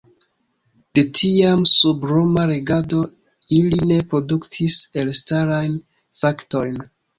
De tiam, sub roma regado, ili ne produktis elstarajn faktojn.